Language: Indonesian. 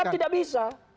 tetap tidak bisa